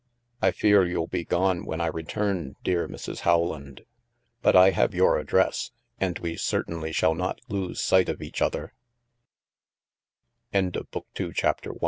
" I fear you'll be gone when I return, dear Mrs. Rowland. But I have your address, and we certainly shall not lose sight of each other."